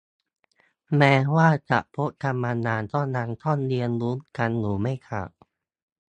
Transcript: แม้ว่าจะคบกันมานานก็ยังต้องเรียนรู้กันอยู่ไม่ขาด